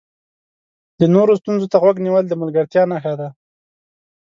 د نورو ستونزو ته غوږ نیول د ملګرتیا نښه ده.